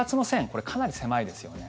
これ、かなり狭いですよね。